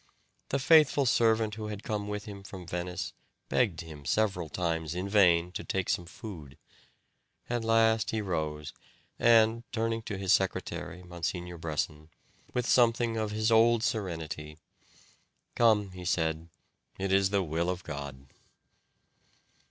The faithful servant who had come with him from Venice begged him several times in vain to take some food. At last he rose, and, turning to his secretary, Monsignor Bressan, with something of his old serenity: "Come," he said, "it is the will of God."